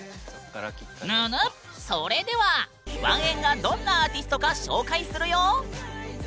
それではワンエンがどんなアーティストか紹介するよ！